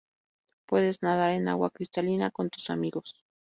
Puedes nadar en agua cristalina con tus amigos.